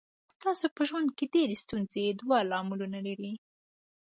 ستاسو په ژوند کې ډېرې ستونزې دوه لاملونه لري.